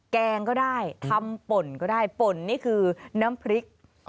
แกงก็ได้ทำป่นก็ได้ป่นนี่คือน้ำพริก